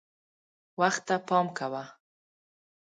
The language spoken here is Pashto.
وخت ته پام کوه .